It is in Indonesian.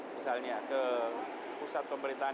misalnya ke pusat pemerintahan